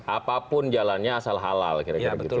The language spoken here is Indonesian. apapun jalannya asal halal kira kira gitu ya